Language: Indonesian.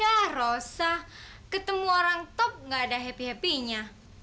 ya rosa ketemu orang top gak ada happy happy nya